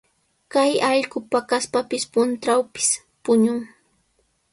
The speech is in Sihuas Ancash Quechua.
Kay allqu paqaspapis, puntrawpis puñun.